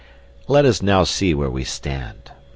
Let us now see where we stand.